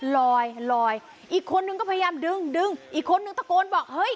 ลอยลอยอีกคนนึงก็พยายามดึงดึงอีกคนนึงตะโกนบอกเฮ้ย